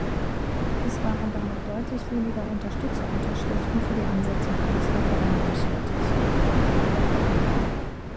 Es waren danach deutlich weniger Unterstützerunterschriften für die Ansetzung eines Referendums nötig.